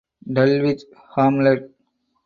Dulwich Hamlet